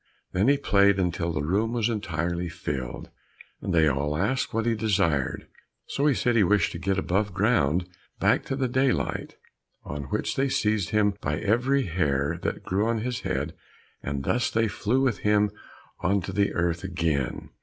Then he played until the room was entirely filled. They all asked what he desired, so he said he wished to get above ground back to daylight, on which they seized him by every hair that grew on his head, and thus they flew with him onto the earth again.